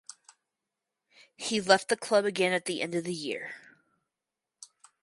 He left the club again at the end of the year.